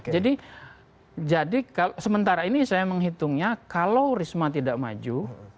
jadi sementara ini saya menghitungnya kalau risma tidak maju